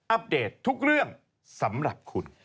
เดตทุกเรื่องสำหรับคุณ